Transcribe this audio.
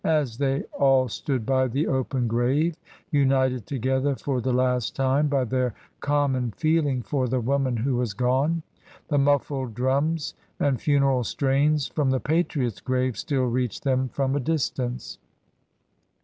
As they all stood by the open grave, united together for the last time by their common feeling for the woman who was gone, the muffled drums and funeral strains from the patriot's grave still reached them from a distance.